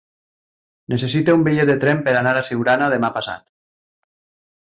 Necessito un bitllet de tren per anar a Siurana demà passat.